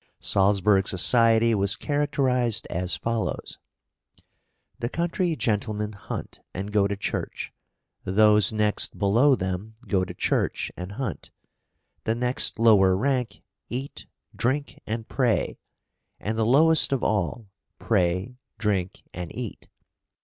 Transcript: Salzburg society was characterised as follows: "The country gentlemen hunt and go to church; those next below them go to church and hunt; the next lower rank eat, drink, and pray; and the lowest of all pray, drink, and eat.